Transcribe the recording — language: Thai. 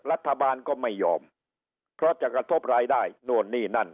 รัฐบาลก็ไม่ยอมเพราะจะกระทบรายได้นู่นนี่นั่น